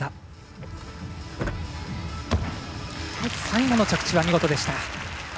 最後の着地見事でした。